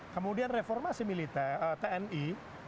kemudian reformasi tni